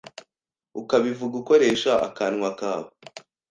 ukabivuga ukoreshe akanwa kawe